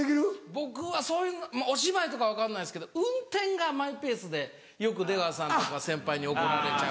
僕はそういうお芝居とか分かんないですけど運転がマイペースでよく出川さんとか先輩に怒られちゃう。